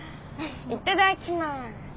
いただきます。